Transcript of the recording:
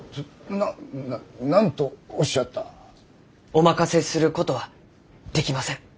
お任せすることはできません。